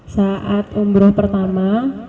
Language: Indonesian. saat umroh pertama